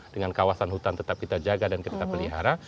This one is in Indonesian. dengan kawasan hutan tetap kita jaga dan kita pelihara